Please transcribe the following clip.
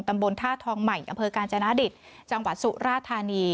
ตำบลท่าทองใหม่อำเภอกาญจนาดิตจังหวัดสุราธานี